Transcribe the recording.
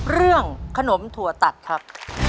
เรื่องขนมถั่วตัดครับ